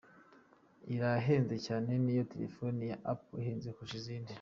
Irahenze cyane, niyo telefoni ya Apple ihenze kurusha izindi.